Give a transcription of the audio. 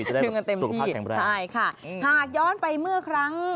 จะได้สุขภาพแข็งแรงใช่ค่ะถ้าย้อนไปเมื่อครั้ง